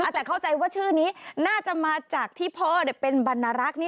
แต่เข้าใจว่าชื่อนี้น่าจะมาจากที่พ่อเป็นบรรณรักษ์